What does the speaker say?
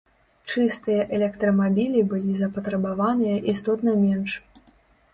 Чыстыя электрамабілі былі запатрабаваныя істотна менш.